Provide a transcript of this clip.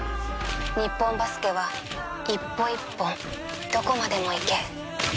日本バスケは１歩１本どこまでもいけ